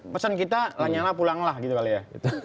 pesan kita lanyala pulanglah gitu kali ya